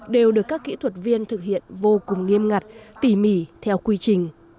đều được các kỹ thuật viên thực hiện vô cùng nghiêm ngặt tỉ mỉ theo quy trình